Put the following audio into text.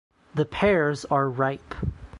The pears are ripe.